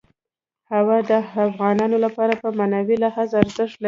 هوا د افغانانو لپاره په معنوي لحاظ ارزښت لري.